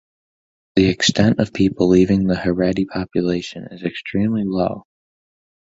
The extent of people leaving the Haredi population is extremely low.